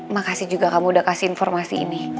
makasih juga kamu udah kasih informasi ini